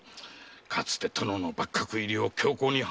かつて殿の幕閣入りを強硬に反対した奴だ。